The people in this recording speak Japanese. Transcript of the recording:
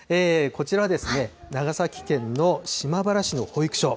こちらは長崎県の島原市の保育所。